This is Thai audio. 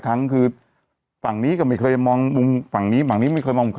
ทั้งคือฝั่งนี้ก็ไม่เคยมองมุมฝั่งนี้ฝั่งนี้ไม่เคยมอง